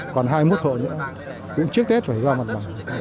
còn hai mươi một hộ nữa cũng trước tết phải ra mặt bằng